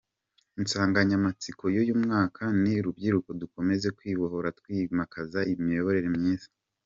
Insanganyamatsiko y’uyu mwaka ni: “Rubyiruko, Dukomeze Kwibohora Twimakaza Imiyoborere Myiza.